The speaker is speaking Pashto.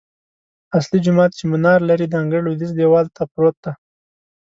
اصلي جومات چې منار لري، د انګړ لویدیځ دیوال ته پروت دی.